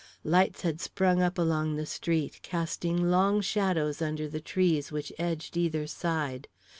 Lights had sprung up along the street, casting long shadows under the trees which edged either side.